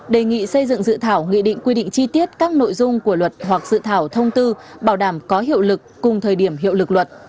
đề nghị xây dựng dự thảo nghị định quy định chi tiết các nội dung của luật hoặc dự thảo thông tư bảo đảm có hiệu lực cùng thời điểm hiệu lực luật